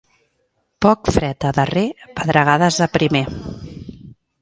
Poc fred a darrer, pedregades a primer.